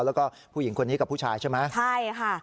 แล้วก็ผู้หญิงคนนี้กับผู้ชายใช่ไหมใช่ค่ะ